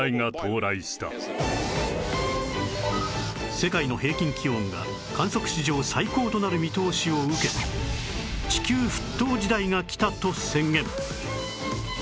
世界の平均気温が観測史上最高となる見通しを受け地球沸騰時代が来たと宣言